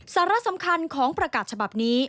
สาระสำคัญของประกาศฉบับนี้